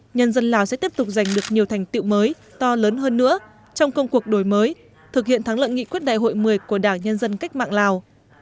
nhân dân lào sẽ tiếp tục giành được nhiều thành tiệu mới to lớn hơn nữa trong công cuộc đổi mới thực hiện thắng lợi nghị quyết đại hội một mươi của đảng nhân dân cách mạng lào